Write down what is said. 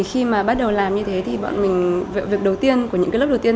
khi bắt đầu làm như thế việc đầu tiên của những lớp đầu tiên